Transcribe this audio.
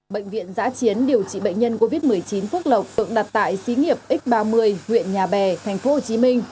bệnh viện giã chiến điều trị bệnh nhân covid một mươi chín phước lộc tượng đặt tại xí nghiệp x ba mươi huyện nhà bè tp hcm